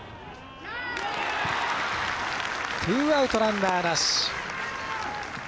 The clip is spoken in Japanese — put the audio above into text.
ツーアウト、ランナーなし。